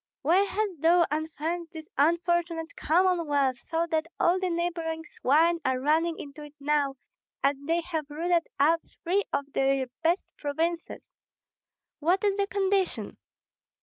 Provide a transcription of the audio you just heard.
why hast thou unfenced this unfortunate Commonwealth, so that all the neighboring swine are running into it now, and they have rooted up three of the best provinces? What is the condition?